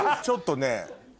ちょっとね。